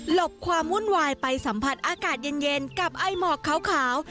บความวุ่นวายไปสัมผัสอากาศเย็นกับไอหมอกขาว